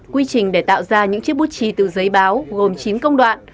quy trình để tạo ra những chiếc bút trì từ giấy báo gồm chín công đoạn